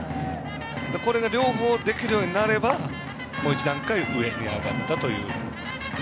これが両方、できるようになればもう一段階上に上がったという。